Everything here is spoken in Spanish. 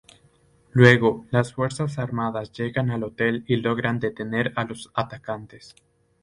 Luego las fuerzas armadas llegan al hotel y logran detener a los atacantes.